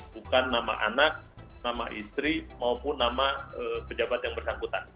bukan nama anak istri maupun pejabat yang bersangkutan